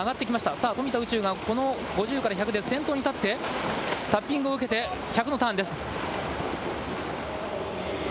さあ、富田宇宙がこの１００で先頭に立って、タッピングを受けて、１００のターンです。